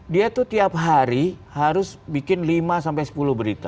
dia tuh tiap hari harus bikin lima sampai sepuluh berita